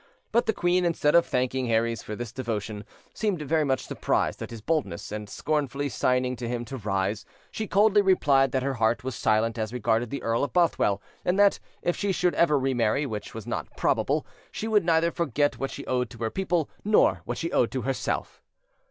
But the queen, instead of thanking Herries for this devotion, seemed very much surprised at his boldness, and scornfully signing to him to rise, she coldly replied that her heart was silent as regarded the Earl of Bothwell, and that, if she should ever re marry, which was not probable, she would neither forget what she owed to her people nor what she owed to herself.